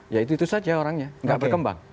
ya itu itu saja orangnya nggak berkembang